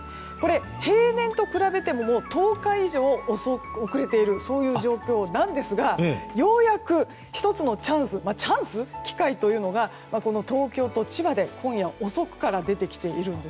平年と比べても１０日以上遅れているという状況なんですがようやく１つのチャンス機会というのが、東京と千葉で今夜遅くから出てきているんです。